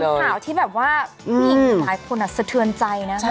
เป็นข่าวที่แบบว่าวิ่งหลายคนอ่ะเสือดเธอใจนะคะ